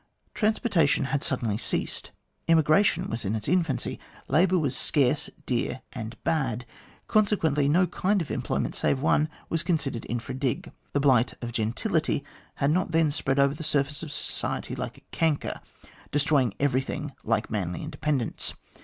Transportation had suddenly ceased ; immigration was in its infancy ; labour was scarce, dear, and bad ; consequently, no kind of employment, save one, was considered infra dig. The blight of gentility had not then spread over the surface of society like a canker, destroying everything like manly independence.